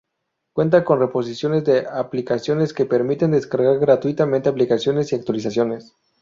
Cuenta con repositorios de aplicaciones que permiten descargar gratuitamente aplicaciones y actualizaciones.